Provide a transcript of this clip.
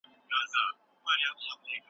که کورنۍ چاپېریال مثبت وي، فشار نه زیاتېږي.